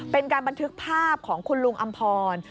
เป็นการบันทึกภาพของคุณลุงอำพร